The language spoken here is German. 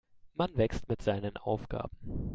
Man wächst mit seinen Aufgaben.